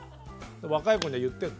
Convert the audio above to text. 若い子には言ってんの。